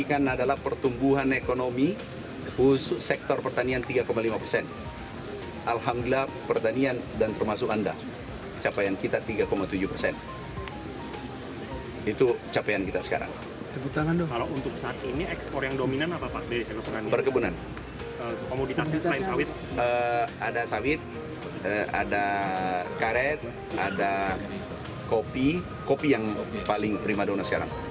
ada sawit ada karet ada kopi kopi yang paling prima donas sekarang